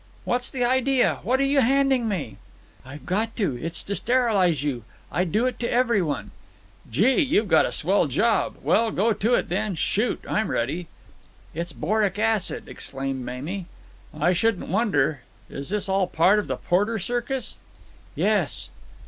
"What's the idea? What are you handing me?" "I've got to. It's to sterilize you. I do it to every one." "Gee! You've got a swell job! Well, go to it, then. Shoot! I'm ready." "It's boric acid," explained Mamie. "I shouldn't wonder. Is this all part of the Porter circus?" "Yes."